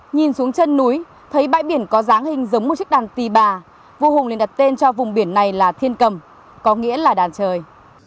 nhìn xuống chân núi thấy bãi biển có dáng hình giống một chiếc đàn tì bà vua hùng nên đặt tên cho vùng biển này là thiên cầm có nghĩa là đàn trời